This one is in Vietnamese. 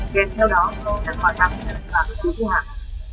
kèm theo đó đặt khoản tặng là ba mươi triệu vua hạng